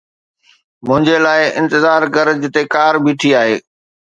منهنجي لاءِ انتظار ڪر جتي ڪار بيٺي آهي